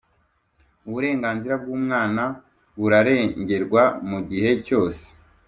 Uburenganzira bw’umwana burarengerwa mu gihe cyose.